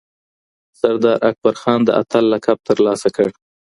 سردار اکبرخان د اتل لقب ترلاسه کړ